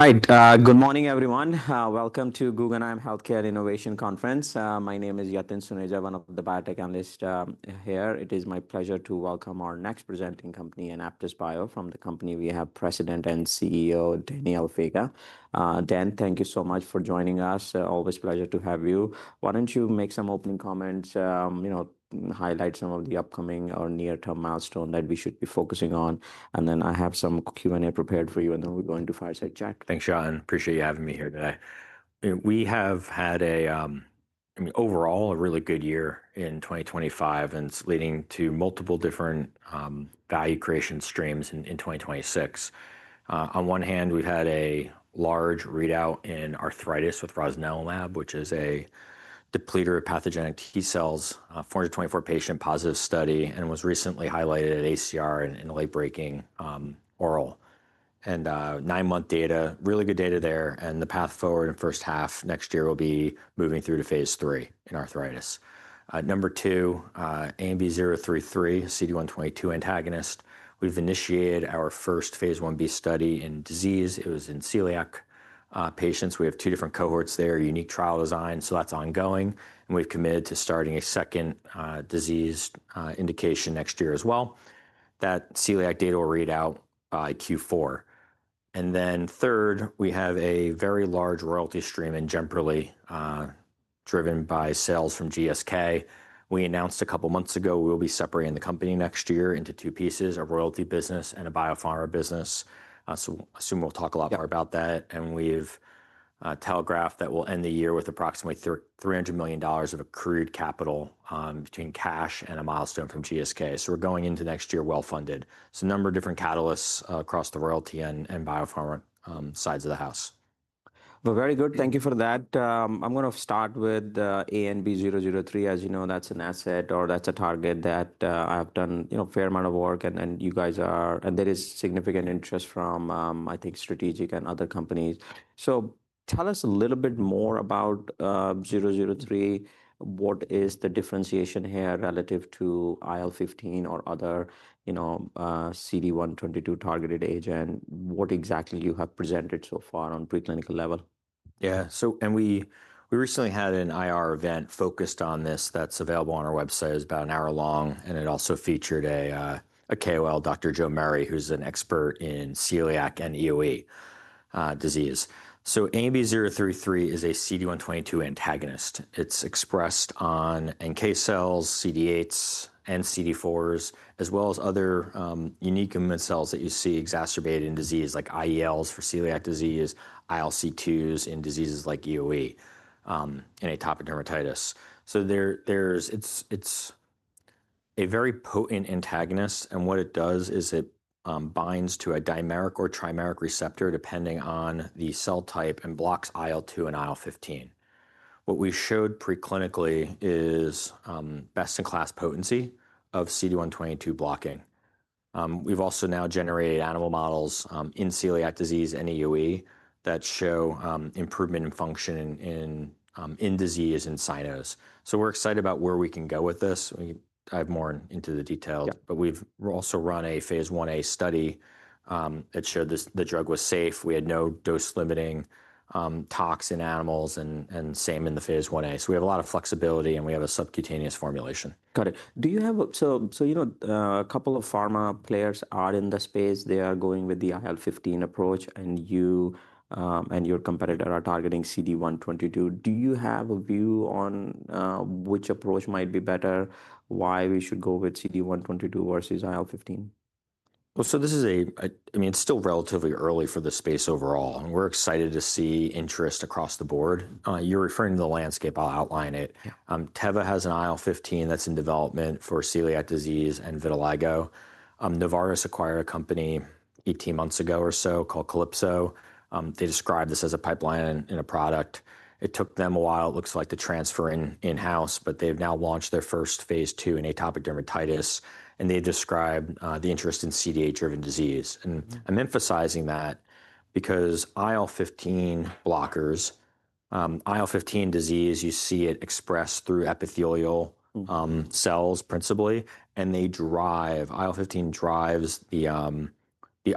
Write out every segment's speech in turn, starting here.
Right. Good morning, everyone. Welcome to Guggenheim Healthcare Innovation Conference. My name is Yatin Suneja, one of the biotech analysts here. It is my pleasure to welcome our next presenting company, AnaptysBio. From the company, we have President and CEO, Daniel Faga. Dan, thank you so much for joining us. Always a pleasure to have you. Why don't you make some opening comments, you know, highlight some of the upcoming or near-term milestones that we should be focusing on? And then I have some Q&A prepared for you, and then we're going to fireside chat. Thanks, Yatin. Appreciate you having me here today. We have had a, I mean, overall, a really good year in 2025, and it's leading to multiple different value creation streams in 2026. On one hand, we've had a large readout in arthritis with rosnilimab, which is a depletor of pathogenic T cells, a 424-patient positive study, and was recently highlighted at ACR in a late-breaking oral. And nine-month data, really good data there. And the path forward in the first half next year will be moving through to Phase III in arthritis. Number two, ANB033, CD122 antagonist. We've initiated our first Phase Ib study in disease. It was in celiac patients. We have two different cohorts there, unique trial design, so that's ongoing. And we've committed to starting a second disease indication next year as well. That celiac data will read out by Q4. And then third, we have a very large royalty stream in Jemperli, driven by sales from GSK. We announced a couple of months ago we will be separating the company next year into two pieces, a royalty business and a biopharma business. So I assume we'll talk a lot more about that. And we've telegraphed that we'll end the year with approximately $300 million of accrued capital between cash and a milestone from GSK. So we're going into next year well-funded. So a number of different catalysts across the royalty and biopharma sides of the house. Very good. Thank you for that. I'm going to start with ANB033. As you know, that's an asset or that's a target that I have done, you know, a fair amount of work, and you guys are, and there is significant interest from, I think, strategic and other companies. So tell us a little bit more about 033. What is the differentiation here relative to IL-15 or other, you know, CD122 targeted agent? What exactly you have presented so far on preclinical level? Yeah, so we recently had an IR event focused on this that's available on our website. It's about an hour long, and it also featured a KOL, Dr. Joe Murray, who's an expert in celiac and EoE disease. ANB033 is a CD122 antagonist. It's expressed on NK cells, CD8s, and CD4s, as well as other unique immune cells that you see exacerbated in disease like IELs for celiac disease, ILC2s in diseases like EoE and atopic dermatitis. There's a very potent antagonist, and what it does is it binds to a dimeric or trimeric receptor depending on the cell type and blocks IL-2 and IL-15. What we showed preclinically is best-in-class potency of CD122 blocking. We've also now generated animal models in celiac disease and EoE that show improvement in functional disease indices. We're excited about where we can go with this. I've gone more into the details, but we've also run a Phase Ia study that showed the drug was safe. We had no dose-limiting toxicity in animals, and same in the Phase Ia, so we have a lot of flexibility, and we have a subcutaneous formulation. Got it. Do you have, so you know, a couple of pharma players are in the space. They are going with the IL-15 approach, and you and your competitor are targeting CD122. Do you have a view on which approach might be better, why we should go with CD122 versus IL-15? This is, I mean, it's still relatively early for the space overall, and we're excited to see interest across the board. You're referring to the landscape. I'll outline it. Teva has an IL-15 that's in development for celiac disease and vitiligo. Novartis acquired a company 18 months ago or so called Calypso. They described this as a pipeline and a product. It took them a while, it looks like, to transfer in-house, but they've now launched their first Phase II in atopic dermatitis, and they described the interest in CD8-driven disease. I'm emphasizing that because IL-15 blockers, IL-15 disease, you see it expressed through epithelial cells principally, and IL-15 drives the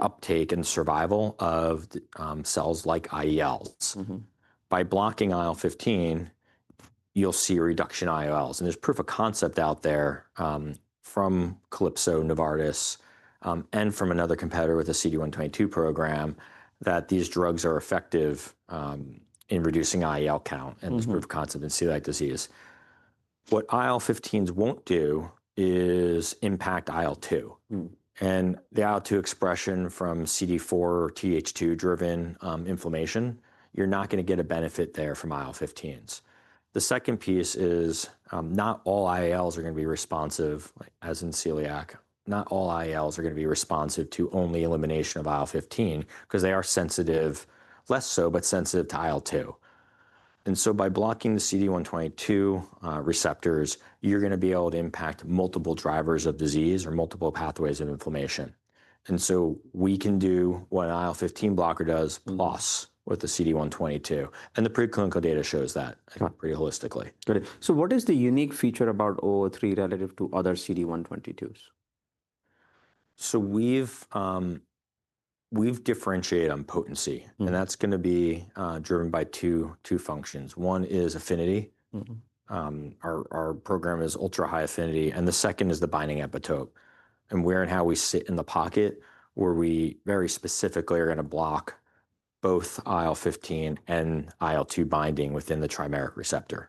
uptake and survival of cells like IELs. By blocking IL-15, you'll see a reduction in IELs. There's proof of concept out there from Calypso, Novartis, and from another competitor with the CD122 program that these drugs are effective in reducing IEL count, and there's proof of concept in celiac disease. What IL-15s won't do is impact IL-2. The IL-2 expression from CD4 or Th2-driven inflammation. You're not going to get a benefit there from IL-15s. The second piece is not all IELs are going to be responsive, as in celiac, not all IELs are going to be responsive to only elimination of IL-15 because they are sensitive, less so, but sensitive to IL-2. So by blocking the CD122 receptors, you're going to be able to impact multiple drivers of disease or multiple pathways of inflammation. So we can do what an IL-15 blocker does, plus with the CD122. The preclinical data shows that pretty holistically. Got it. So what is the unique feature about ANB033 relative to other CD122s? We've differentiated on potency, and that's going to be driven by two functions. One is affinity. Our program is ultra-high affinity. The second is the binding epitope. We're in how we sit in the pocket where we very specifically are going to block both IL-15 and IL-2 binding within the trimeric receptor.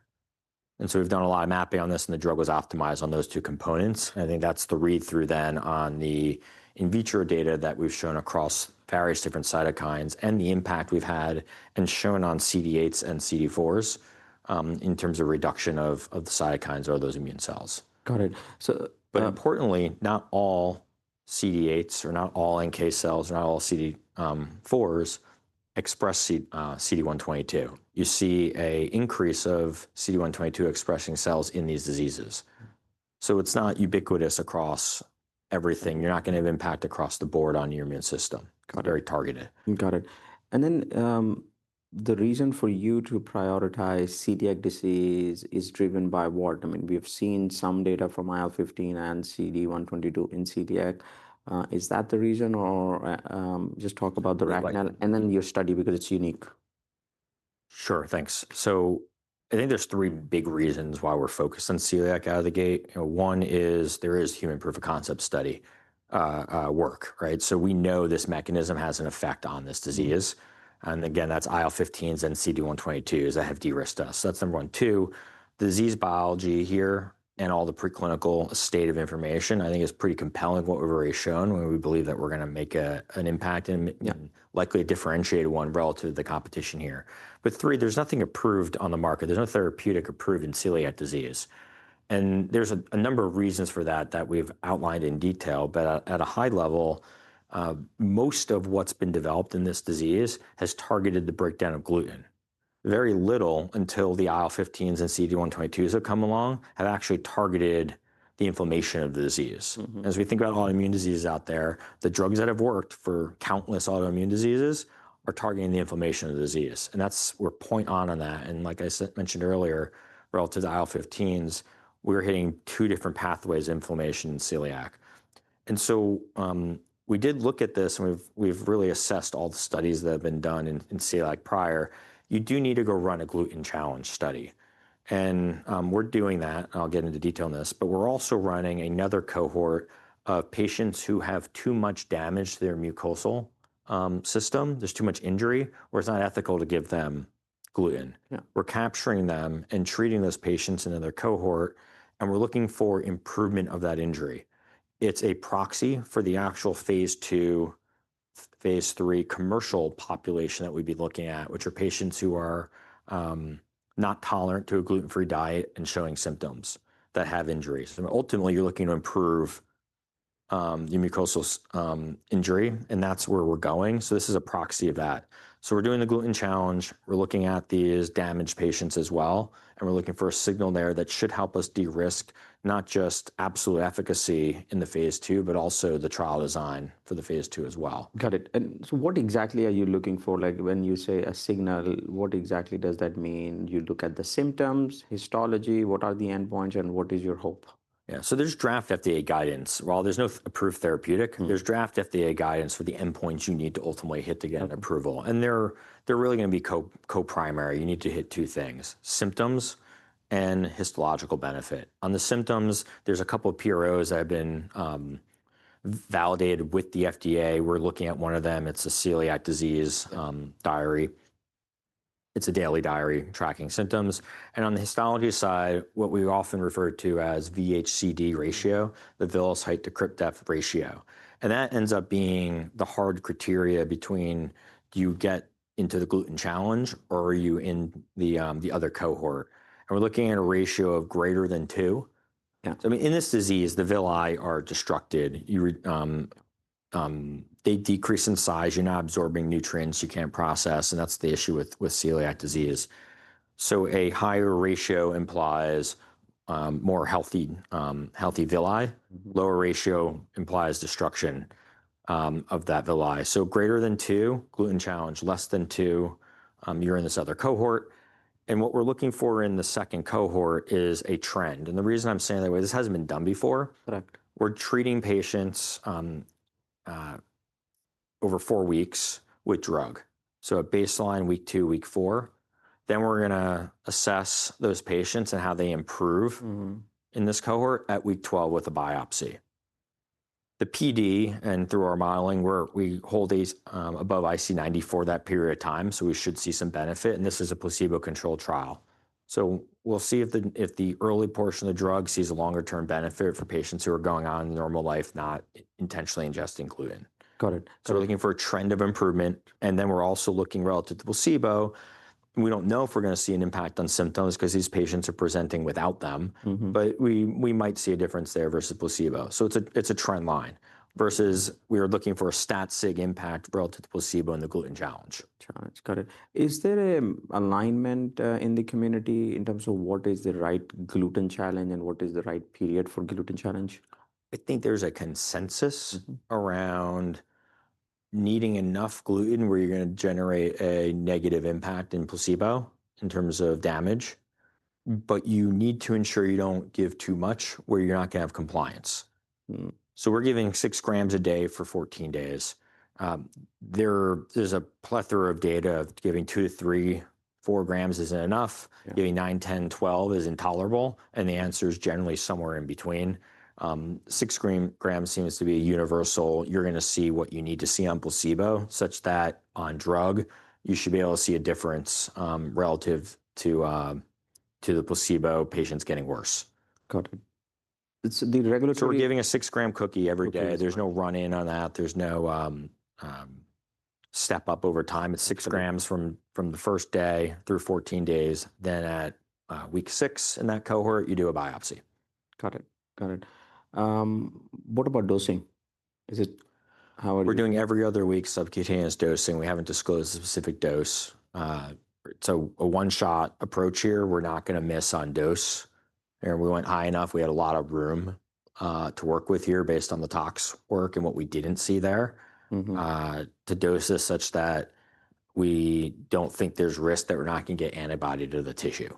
So we've done a lot of mapping on this, and the drug was optimized on those two components. I think that's the read-through then on the in vitro data that we've shown across various different cytokines and the impact we've had and shown on CD8s and CD4s in terms of reduction of the cytokines or those immune cells. Got it. So. But importantly, not all CD8s or not all NK cells or not all CD4s express CD122. You see an increase of CD122 expressing cells in these diseases. So it's not ubiquitous across everything. You're not going to have impact across the board on your immune system. Very targeted. Got it. And then the reason for you to prioritize celiac disease is driven by what? I mean, we have seen some data from IL-15 and CD122 in celiac. Is that the reason or just talk about the rationale and then your study because it's unique? Sure, thanks. So I think there's three big reasons why we're focused on celiac out of the gate. One is there is human proof of concept study work, right? So we know this mechanism has an effect on this disease. And again, that's IL-15s and CD122s that have de-risked us. So that's number one. Two, disease biology here and all the preclinical state of information, I think is pretty compelling what we've already shown when we believe that we're going to make an impact and likely a differentiated one relative to the competition here. But three, there's nothing approved on the market. There's no therapeutic approved in celiac disease. And there's a number of reasons for that that we've outlined in detail, but at a high level, most of what's been developed in this disease has targeted the breakdown of gluten. Very little, until the IL-15s and CD122s have come along, have actually targeted the inflammation of the disease. As we think about autoimmune diseases out there, the drugs that have worked for countless autoimmune diseases are targeting the inflammation of the disease. And that's where we are on that. Like I mentioned earlier, relative to IL-15s, we're hitting two different pathways of inflammation in celiac. So we did look at this, and we've really assessed all the studies that have been done in celiac prior. You do need to go run a gluten challenge study, and we're doing that. I'll get into detail on this, but we're also running another cohort of patients who have too much damage to their mucosal system. There's too much injury where it's not ethical to give them gluten. We're capturing them and treating those patients in another cohort, and we're looking for improvement of that injury. It's a proxy for the actual Phase II, Phase III commercial population that we'd be looking at, which are patients who are not tolerant to a gluten-free diet and showing symptoms that have injuries, and ultimately, you're looking to improve your mucosal injury, and that's where we're going, so this is a proxy of that, so we're doing the gluten challenge. We're looking at these damaged patients as well, and we're looking for a signal there that should help us de-risk not just absolute efficacy in the Phase II, but also the trial design for the Phase II as well. Got it. And so what exactly are you looking for? Like when you say a signal, what exactly does that mean? You look at the symptoms, histology, what are the endpoints, and what is your hope? Yeah, so there's draft FDA guidance. While there's no approved therapeutic, there's draft FDA guidance for the endpoints you need to ultimately hit to get an approval. And they're really going to be co-primary. You need to hit two things: symptoms and histological benefit. On the symptoms, there's a couple of PROs that have been validated with the FDA. We're looking at one of them. It's a celiac disease diary. It's a daily diary tracking symptoms. And on the histology side, what we often refer to as VHCD ratio, the villous height to crypt depth ratio. And that ends up being the hard criteria between do you get into the gluten challenge or are you in the other cohort? And we're looking at a ratio of greater than two. So I mean, in this disease, the villi are destroyed. They decrease in size. You're not absorbing nutrients you can't process, and that's the issue with celiac disease. So a higher ratio implies more healthy villi. Lower ratio implies destruction of that villi. So greater than two, gluten challenge, less than two, you're in this other cohort. And what we're looking for in the second cohort is a trend. And the reason I'm saying that way, this hasn't been done before. We're treating patients over four weeks with drug. So at baseline, week two, week four, then we're going to assess those patients and how they improve in this cohort at week 12 with a biopsy. The PD and through our modeling, we hold these above IC90 for that period of time, so we should see some benefit. And this is a placebo-controlled trial. We'll see if the early portion of the drug sees a longer-term benefit for patients who are going on in normal life, not intentionally ingesting gluten. Got it. So we're looking for a trend of improvement. And then we're also looking relative to placebo. We don't know if we're going to see an impact on symptoms because these patients are presenting without them, but we might see a difference there versus placebo. So it's a trend line versus we are looking for a stat-sig impact relative to placebo and the gluten challenge. Challenge, got it. Is there an alignment in the community in terms of what is the right gluten challenge and what is the right period for gluten challenge? I think there's a consensus around needing enough gluten where you're going to generate a negative impact in placebo in terms of damage, but you need to ensure you don't give too much where you're not going to have compliance. So we're giving six grams a day for 14 days. There's a plethora of data of giving two to three, four grams isn't enough. Giving nine, ten, twelve is intolerable, and the answer is generally somewhere in between. Six grams seems to be a universal. You're going to see what you need to see on placebo such that on drug, you should be able to see a difference relative to the placebo patients getting worse. Got it. So the regulatory. So we're giving a six-gram cookie every day. There's no run-in on that. There's no step-up over time. It's six grams from the first day through 14 days. Then at week six in that cohort, you do a biopsy. Got it. What about dosing? Is it how are you? We're doing every other week subcutaneous dosing. We haven't disclosed a specific dose. It's a one-shot approach here. We're not going to miss on dose. And we went high enough. We had a lot of room to work with here based on the tox work and what we didn't see there to dose this such that we don't think there's risk that we're not going to get antibody to the tissue.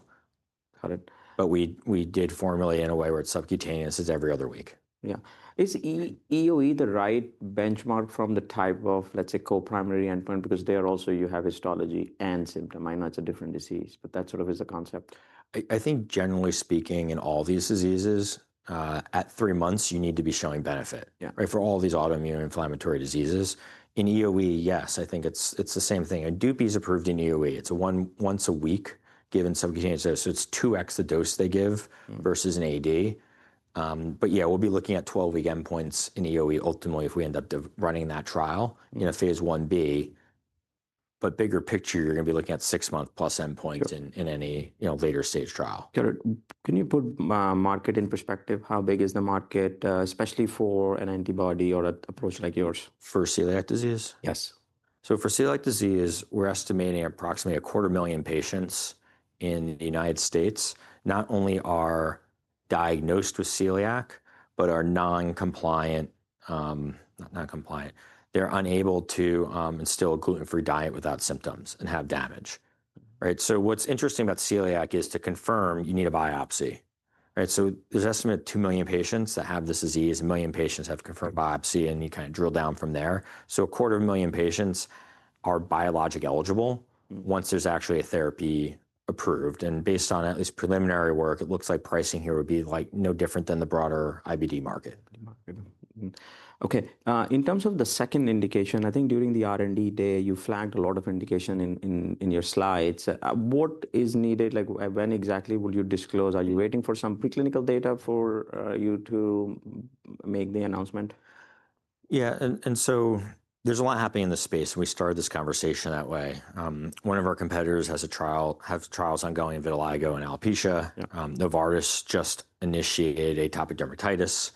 Got it. But we did formulate in a way where it's subcutaneous every other week. Yeah. Is EoE the right benchmark from the type of, let's say, co-primary endpoint because there also you have histology and symptom? I know it's a different disease, but that sort of is the concept. I think generally speaking, in all these diseases, at three months, you need to be showing benefit for all these autoimmune inflammatory diseases. In EoE, yes, I think it's the same thing. DUPI is approved in EoE. It's once a week given subcutaneous dose. So it's two x the dose they give versus an AD. Yeah, we'll be looking at 12-week endpoints in EoE ultimately if we end up running that trial in a Phase Ib. Bigger picture, you're going to be looking at six-month plus endpoints in any later stage trial. Got it. Can you put market in perspective? How big is the market, especially for an antibody or an approach like yours for celiac disease? Yes. So for celiac disease, we're estimating approximately 250,000 patients in the United States not only are diagnosed with celiac, but are non-compliant, not non-compliant. They're unable to instill a gluten-free diet without symptoms and have damage. Right? So what's interesting about celiac is to confirm you need a biopsy. Right? So there's an estimate of two million patients that have this disease. A million patients have confirmed biopsy, and you kind of drill down from there. So 250,000 patients are biologically eligible once there's actually a therapy approved. And based on at least preliminary work, it looks like pricing here would be like no different than the broader IBD market. Okay. In terms of the second indication, I think during the R&D day, you flagged a lot of indication in your slides. What is needed? Like when exactly will you disclose? Are you waiting for some preclinical data for you to make the announcement? Yeah. And so there's a lot happening in this space. We started this conversation that way. One of our competitors has trials ongoing in vitiligo and alopecia. Novartis just initiated atopic dermatitis.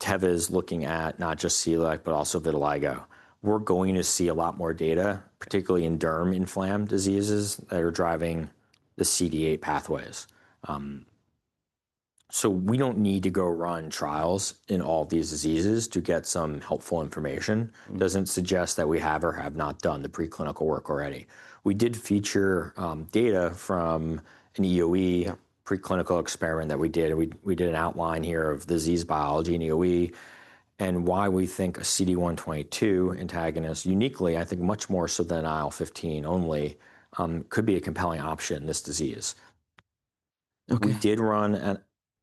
Teva is looking at not just celiac, but also vitiligo. We're going to see a lot more data, particularly in derm inflammatory diseases that are driving the CD8 pathways. So we don't need to go run trials in all these diseases to get some helpful information. Doesn't suggest that we have or have not done the preclinical work already. We did feature data from an EoE preclinical experiment that we did. We did an outline here of disease biology in EoE and why we think a CD122 antagonist uniquely, I think much more so than IL-15 only, could be a compelling option in this disease. We did run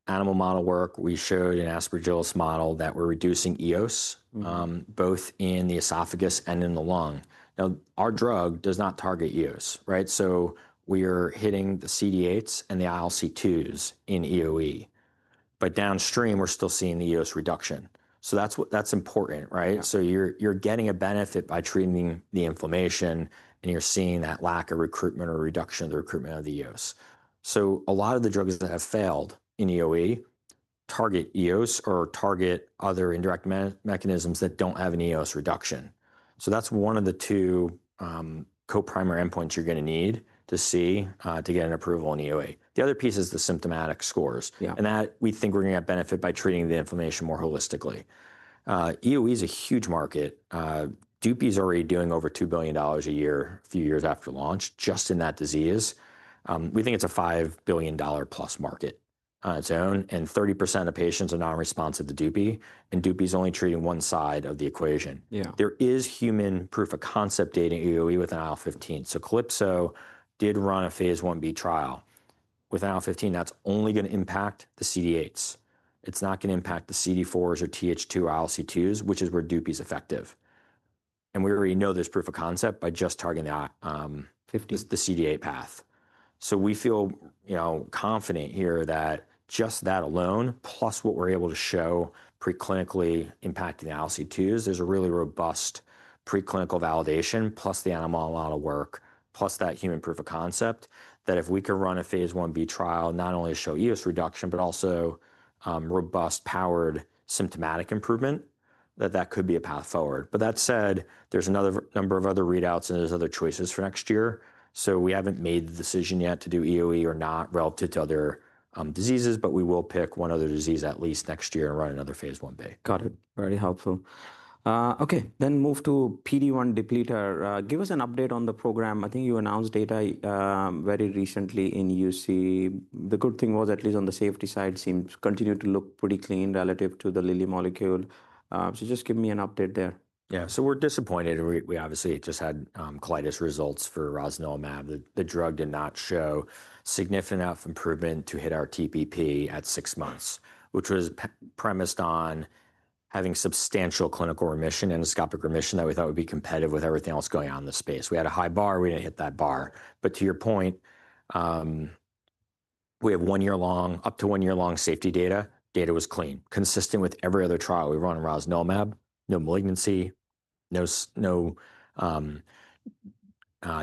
animal model work. We showed an Aspergillus model that we're reducing Eos both in the esophagus and in the lung. Now, our drug does not target Eos, right? So we are hitting the CD8s and the ILC2s in EoE. But downstream, we're still seeing the Eos reduction. So that's important, right? So you're getting a benefit by treating the inflammation, and you're seeing that lack of recruitment or reduction of the recruitment of the Eos. So a lot of the drugs that have failed in EoE target Eos or target other indirect mechanisms that don't have an Eos reduction. So that's one of the two co-primary endpoints you're going to need to see to get an approval in EoE. The other piece is the symptomatic scores, and that we think we're going to have benefit by treating the inflammation more holistically. EoE is a huge market. DUPI is already doing over $2 billion a year a few years after launch just in that disease. We think it's a $5 billion plus market on its own, and 30% of patients are non-responsive to DUPI, and DUPI is only treating one side of the equation. There is human proof of concept in EoE with an IL-15, so Calypso did run a Phase Ib trial with an IL-15. That's only going to impact the CD8s. It's not going to impact the CD4s or TH2 or ILC2s, which is where DUPI is effective, and we already know there's proof of concept by just targeting the CD8 path. So we feel confident here that just that alone, plus what we're able to show preclinically impacting the ILC2s, there's a really robust preclinical validation, plus the animal model work, plus that human proof of concept that if we could run a Phase Ib trial, not only show Eos reduction, but also robust powered symptomatic improvement, that that could be a path forward. But that said, there's another number of other readouts and there's other choices for next year. So we haven't made the decision yet to do EoE or not relative to other diseases, but we will pick one other disease at least next year and run another Phase Ib. Got it. Very helpful. Okay. Then move to PD-1 depleter. Give us an update on the program. I think you announced data very recently in UC. The good thing was, at least on the safety side, seemed to continue to look pretty clean relative to the Lilly molecule. So just give me an update there. Yeah. So we're disappointed. We obviously just had colitis results for rosnilimab. The drug did not show significant enough improvement to hit our TPP at six months, which was premised on having substantial clinical remission, endoscopic remission that we thought would be competitive with everything else going on in the space. We had a high bar. We didn't hit that bar. But to your point, we have one year long, up to one year long safety data. Data was clean, consistent with every other trial we ran rosnilimab, no malignancy,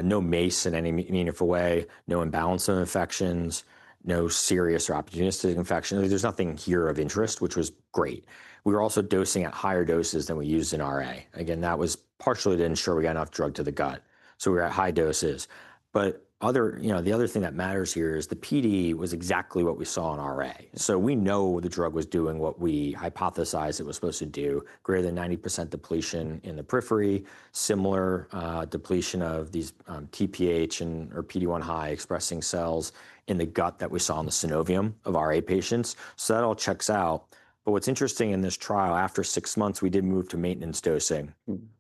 no MACE in any meaningful way, no imbalance of infections, no serious or opportunistic infections. There's nothing here of interest, which was great. We were also dosing at higher doses than we used in RA. Again, that was partially to ensure we got enough drug to the gut. So we were at high doses. But the other thing that matters here is the PD was exactly what we saw in RA. So we know the drug was doing what we hypothesized it was supposed to do: greater than 90% depletion in the periphery, similar depletion of these TPH and or PD-1 high expressing cells in the gut that we saw in the synovium of RA patients. So that all checks out. But what's interesting in this trial, after six months, we did move to maintenance dosing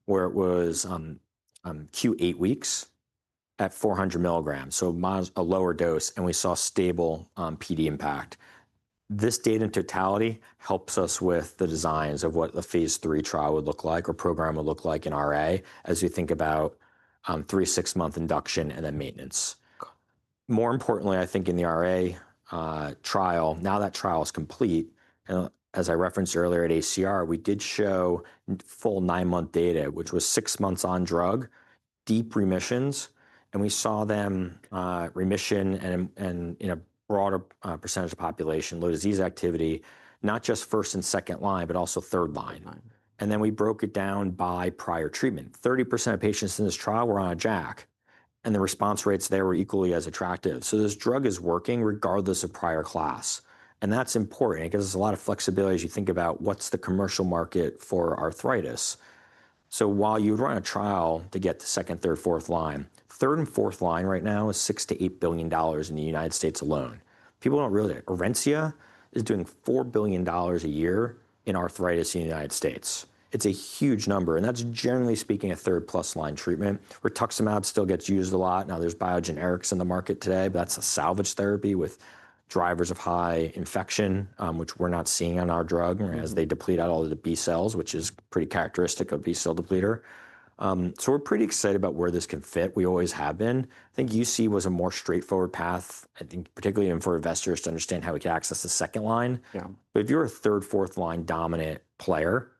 where it was q8 weeks at 400 milligrams, so a lower dose, and we saw stable PD impact. This data in totality helps us with the designs of what the Phase III trial would look like or program would look like in RA as we think about three- to six-month induction and then maintenance. More importantly, I think in the RA trial, now that trial is complete, and as I referenced earlier at ACR, we did show full nine-month data, which was six months on drug, deep remissions, and we saw them in remission in a broader percentage of population, low disease activity, not just first and second line, but also third line, and then we broke it down by prior treatment. 30% of patients in this trial were on a JAK, and the response rates there were equally as attractive, so this drug is working regardless of prior class, and that's important. It gives us a lot of flexibility as you think about what's the commercial market for arthritis, so while you would run a trial to get the second, third, fourth line, third and fourth line right now is $6-$8 billion in the United States alone. People don't really. Orencia is doing $4 billion a year in arthritis in the United States. It's a huge number. And that's generally speaking a third plus line treatment. Rituximab still gets used a lot. Now there's biologics in the market today, but that's a salvage therapy with drivers of high infection, which we're not seeing on our drug as they deplete out all of the B cells, which is pretty characteristic of B cell depleter. So we're pretty excited about where this can fit. We always have been. I think UC was a more straightforward path, I think particularly for investors to understand how we could access the second line. But if you're a third, fourth line dominant player,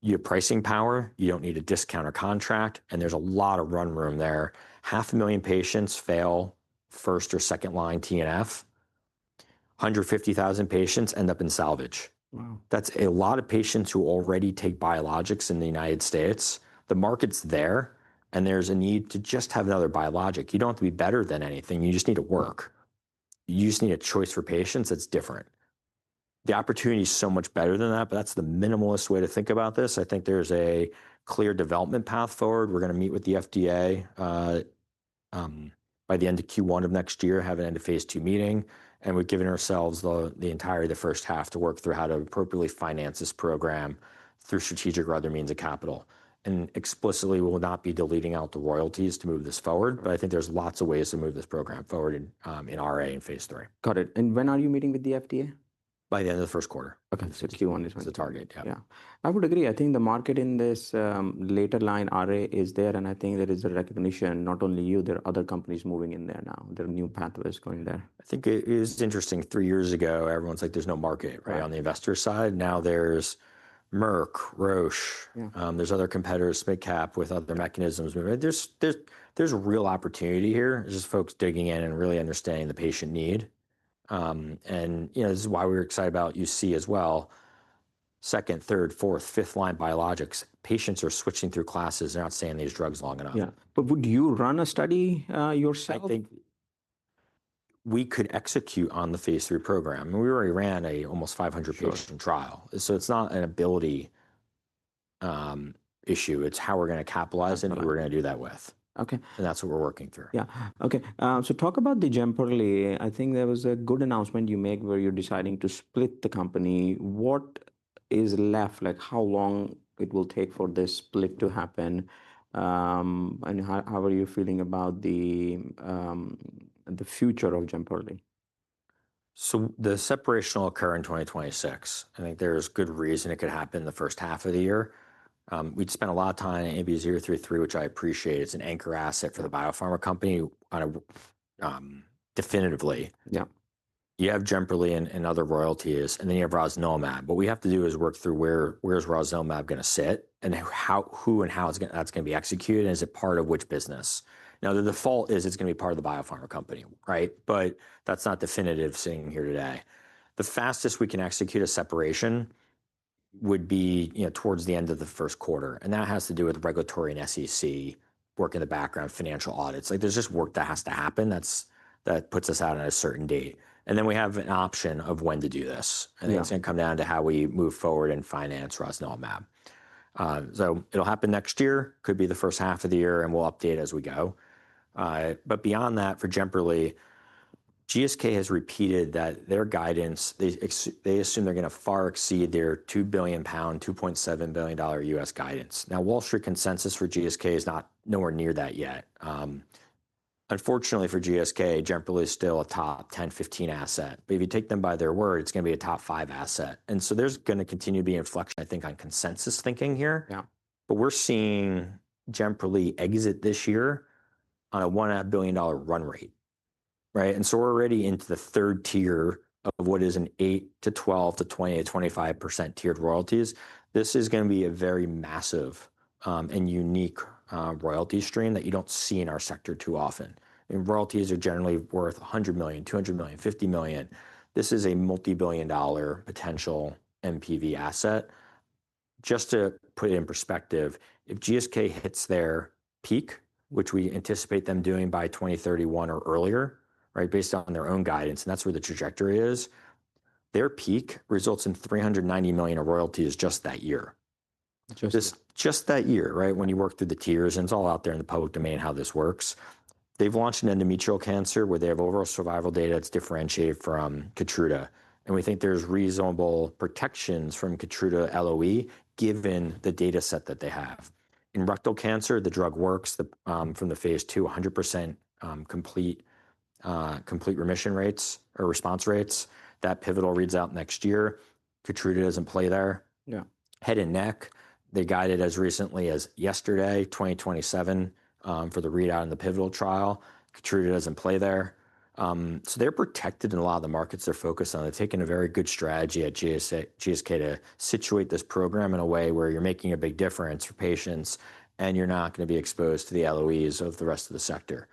you have pricing power, you don't need a discount or contract, and there's a lot of run room there. 500,000 patients fail first or second line TNF. 150,000 patients end up in salvage. That's a lot of patients who already take biologics in the United States. The market's there, and there's a need to just have another biologic. You don't have to be better than anything. You just need to work. You just need a choice for patients that's different. The opportunity is so much better than that, but that's the minimalist way to think about this. I think there's a clear development path forward. We're going to meet with the FDA by the end of Q1 of next year, have an end of Phase II meeting, and we've given ourselves the entirety of the first half to work through how to appropriately finance this program through strategic or other means of capital. Explicitly, we will not be depleting the royalties to move this forward, but I think there's lots of ways to move this program forward in RA and Phase III. Got it. And when are you meeting with the FDA? By the end of the first quarter. Okay. So Q1 is when? It's a target. Yeah. Yeah. I would agree. I think the market in this later line RA is there, and I think there is a recognition, not only you, there are other companies moving in there now. There are new pathways going there. I think it is interesting. Three years ago, everyone's like, there's no market on the investor side. Now there's Merck, Roche. There's other competitors, SMID cap with other mechanisms. There's real opportunity here. There's folks digging in and really understanding the patient need and this is why we're excited about UC as well. Second, third, fourth, fifth line biologics. Patients are switching through classes. They're not staying on these drugs long enough. Yeah, but would you run a study yourself? I think we could execute on the Phase III program, and we already ran an almost 500-patient trial, so it's not an ability issue. It's how we're going to capitalize and who we're going to do that with, and that's what we're working through. Yeah. Okay. So talk about the Jemperli. I think there was a good announcement you made where you're deciding to split the company. What is left? Like how long it will take for this split to happen? And how are you feeling about the future of Jemperli? So the separation will occur in 2026. I think there's good reason it could happen in the first half of the year. We'd spend a lot of time in ANB033, which I appreciate. It's an anchor asset for the biopharma company definitively. Yeah. You have Jemperli and other royalties, and then you have rosnilimab. What we have to do is work through where's rosnilimab going to sit and who and how that's going to be executed and is it part of which business. Now, the default is it's going to be part of the biopharma company, right? But that's not definitive sitting here today. The fastest we can execute a separation would be towards the end of the first quarter. And that has to do with regulatory and SEC work in the background, financial audits. There's just work that has to happen that puts us out on a certain date, and then we have an option of when to do this. I think it's going to come down to how we move forward in finance rosnilimab. So it'll happen next year. It could be the first half of the year, and we'll update as we go, but beyond that, for Jemperli, GSK has repeated that their guidance. They assume they're going to far exceed their $2 billion-$2.7 billion U.S. guidance. Now, Wall Street consensus for GSK is not nowhere near that yet. Unfortunately for GSK, Jemperli is still a top 10-15 asset, but if you take them by their word, it's going to be a top five asset. And so there's going to continue to be inflection, I think, on consensus thinking here. We're seeing Jemperli exit this year on a $1 billion run rate, right? And so we're already into the third tier of what is an 8% to 12% to 20% to 25% tiered royalties. This is going to be a very massive and unique royalty stream that you don't see in our sector too often. And royalties are generally worth $100 million, $200 million, $50 million. This is a multi-billion dollar potential PD-1 asset. Just to put it in perspective, if GSK hits their peak, which we anticipate them doing by 2031 or earlier, right, based on their own guidance, and that's where the trajectory is, their peak results in $390 million in royalties just that year. Just that year, right, when you work through the tiers, and it's all out there in the public domain how this works. They've launched an endometrial cancer where they have overall survival data that's differentiated from KEYTRUDA. And we think there's reasonable protections from KEYTRUDA LOE given the data set that they have. In rectal cancer, the drug works from the Phase II, 100% complete remission rates or response rates. That pivotal reads out next year. KEYTRUDA doesn't play there. Head and neck. They guided as recently as yesterday, 2027, for the readout in the pivotal trial. KEYTRUDA doesn't play there. So they're protected in a lot of the markets they're focused on. They're taking a very good strategy at GSK to situate this program in a way where you're making a big difference for patients and you're not going to be exposed to the LOEs of the rest of the sector.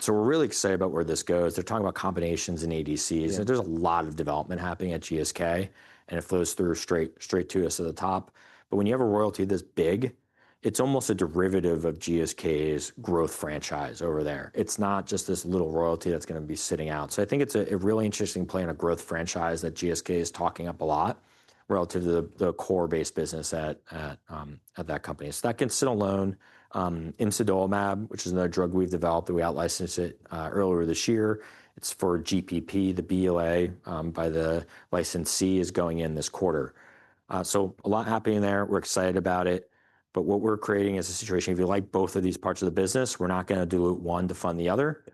So we're really excited about where this goes. They're talking about combinations and ADCs. There's a lot of development happening at GSK, and it flows through straight to us at the top. But when you have a royalty this big, it's almost a derivative of GSK's growth franchise over there. It's not just this little royalty that's going to be sitting out. So I think it's a really interesting play in a growth franchise that GSK is talking up a lot relative to the core base business at that company. So that can sit alone. Imsidolimab, which is another drug we've developed, we outlicensed it earlier this year. It's for GPP, the BLA by the licensee is going in this quarter. So a lot happening there. We're excited about it. But what we're creating is a situation if you like both of these parts of the business, we're not going to dilute one to fund the other.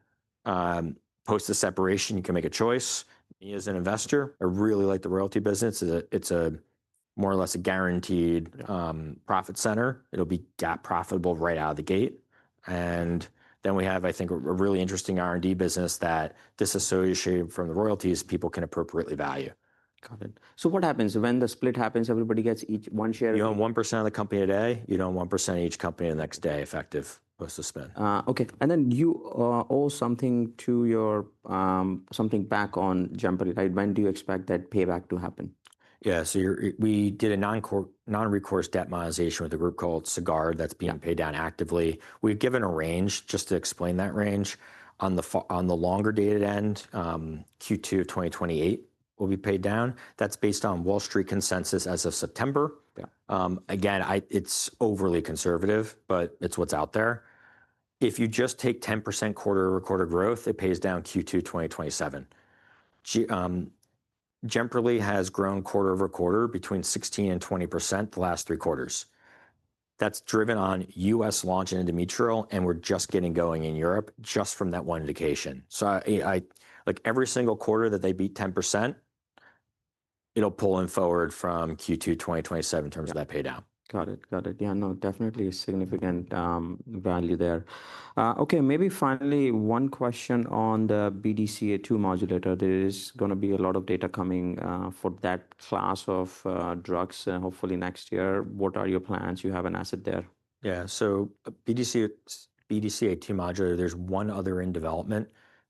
Post the separation, you can make a choice. Me as an investor, I really like the royalty business. It's more or less a guaranteed profit center. It'll be GAAP profitable right out of the gate, and then we have, I think, a really interesting R&D business that, disassociated from the royalties, people can appropriately value. Got it. So what happens when the split happens? Everybody gets each one share. You own 1% of the company today. You don't own 1% of each company the next day effective post the spin. Okay. And then you owe something to your something back on Jemperli, right? When do you expect that payback to happen? Yeah. So we did a non-recourse debt monetization with a group called Sagard that's being paid down actively. We've given a range just to explain that range. On the longer dated end, Q2 2028 will be paid down. That's based on Wall Street consensus as of September. Again, it's overly conservative, but it's what's out there. If you just take 10% quarter over quarter growth, it pays down Q2 2027. Jemperli has grown quarter over quarter between 16%-20% the last three quarters. That's driven on U.S. launch in endometrial, and we're just getting going in Europe just from that one indication. So every single quarter that they beat 10%, it'll pull in forward from Q2 2027 in terms of that paydown. Got it. Got it. Yeah. No, definitely significant value there. Okay. Maybe finally, one question on the BDCA2 modulator. There is going to be a lot of data coming for that class of drugs hopefully next year. What are your plans? You have an asset there. Yeah. So BDCA2 modulator, there's one other in development.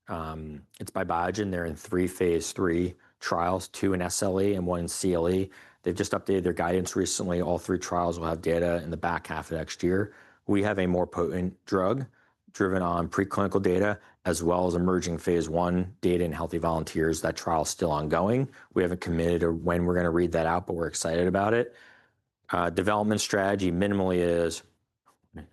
It's by Biogen. They're in three Phase III trials, two in SLE and one in CLE. They've just updated their guidance recently. All three trials will have data in the back half of next year. We have a more potent drug driven on preclinical data as well as emerging Phase I data and healthy volunteers. That trial is still ongoing. We haven't committed to when we're going to read that out, but we're excited about it. Development strategy minimally is,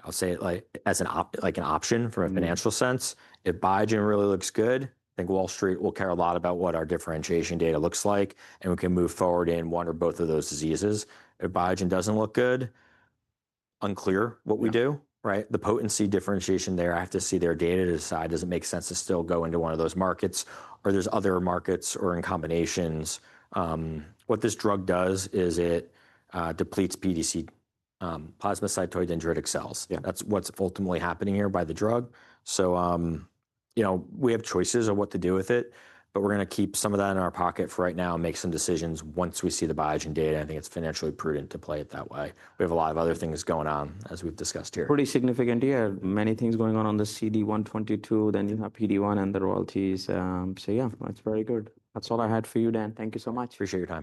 I'll say it like an option from a financial sense. If Biogen really looks good, I think Wall Street will care a lot about what our differentiation data looks like, and we can move forward in one or both of those diseases. If Biogen doesn't look good, unclear what we do, right? The potency differentiation there, I have to see their data to decide. Does it make sense to still go into one of those markets or there's other markets or in combinations? What this drug does is it depletes pDC, plasmacytoid dendritic cells. That's what's ultimately happening here by the drug. So we have choices of what to do with it, but we're going to keep some of that in our pocket for right now and make some decisions once we see the Biogen data. I think it's financially prudent to play it that way. We have a lot of other things going on as we've discussed here. Pretty significant here. Many things going on on the CD122, then you have PD-1 and the royalties. So yeah, that's very good. That's all I had for you, Dan. Thank you so much. Appreciate it.